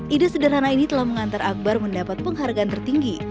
ide sederhana ini telah mengantar akbar mendapat penghargaan tertinggi